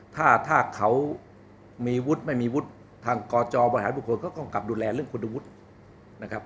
ถ้าถ้าเขามีวุฒิไม่มีวุฒิทางกจบริหารบุคคลก็ต้องกลับดูแลเรื่องคุณวุฒินะครับ